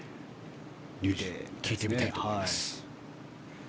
聞いてみたいと思います。